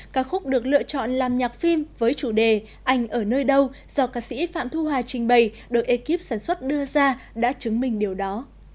các khúc được lựa chọn làm nhạc phim với chủ đề anh ở nơi đâu do ca sĩ phạm thu hà trình bày được ekip sản xuất đưa ra đã chứng minh điều đó